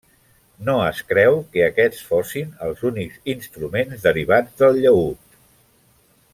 No es creu que aquests fossin els únics instruments derivats del llaüt.